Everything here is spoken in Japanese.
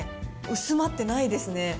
薄まってないですね。